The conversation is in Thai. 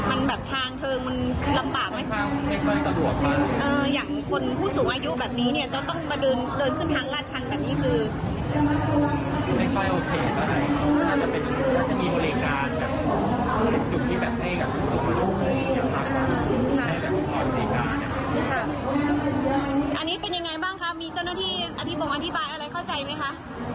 อันนี้เป็นยังไงบ้างครับมีเจ้าหน้าที่อธิบันวันที่บาทเข้าใจไหมคะ